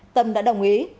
tâm đã đồng ý